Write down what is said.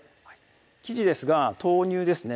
生地ですが豆乳ですね